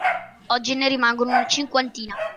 Oggi ne rimangono una cinquantina.